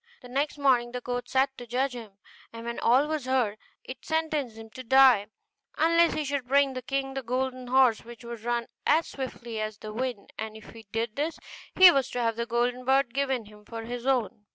The next morning the court sat to judge him; and when all was heard, it sentenced him to die, unless he should bring the king the golden horse which could run as swiftly as the wind; and if he did this, he was to have the golden bird given him for his own.